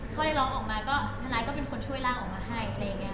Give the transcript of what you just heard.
เขาได้ร้องออกมาถนักก็เป็นคนช่วยรางออกมาให้